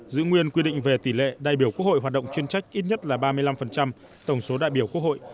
giữ nguyên quy định về tỷ lệ đại biểu quốc hội hoạt động chuyên trách ít nhất là ba mươi năm tổng số đại biểu quốc hội